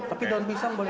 tapi daun pisang boleh